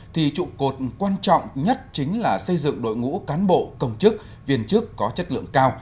thì trụ cột quan trọng nhất chính là xây dựng đội ngũ cán bộ công chức viên chức có chất lượng cao